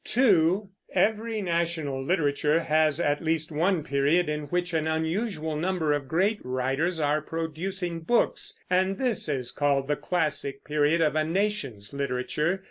(2) Every national literature has at least one period in which an unusual number of great writers are producing books, and this is called the classic period of a nation's literature.